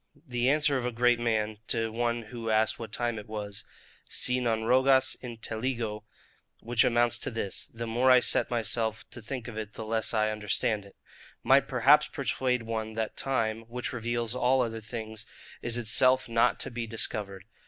The answer of a great man, to one who asked what time was: Si non rogas intelligo, (which amounts to this; The more I set myself to think of it, the less I understand it,) might perhaps persuade one that time, which reveals all other things, is itself not to be discovered.